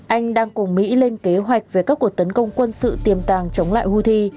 anh đang cùng mỹ lên kế hoạch về các cuộc tấn công quân sự tiềm tàng chống lại houthi